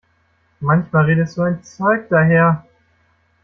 Manchmal redest du ein Zeug daher!